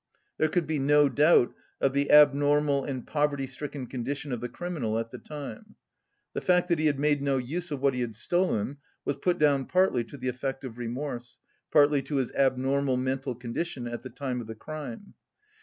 There could be no doubt of the abnormal and poverty stricken condition of the criminal at the time. The fact that he had made no use of what he had stolen was put down partly to the effect of remorse, partly to his abnormal mental condition at the time of the crime.